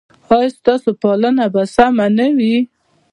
ایا ستاسو پالنه به سمه نه وي؟